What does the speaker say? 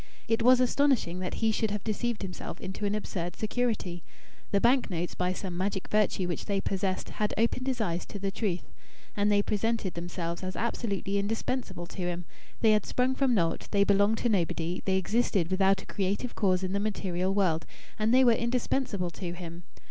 It was astonishing that he should have deceived himself into an absurd security. The bank notes, by some magic virtue which they possessed, had opened his eyes to the truth. And they presented themselves as absolutely indispensable to him. They had sprung from naught, they belonged to nobody, they existed without a creative cause in the material world and they were indispensable to him!